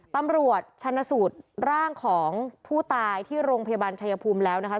ตำรวจชนสูตรร่างของผู้ตายที่โรงพยาบาลชายภูมิแล้วนะคะ